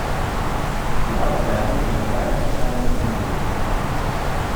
Die Auswertung unterscheidet sich dabei nur unwesentlich.